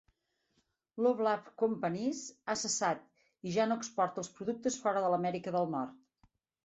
Loblaw Companies ha cessat i ja no exporta els productes fora de l'Amèrica de Nord.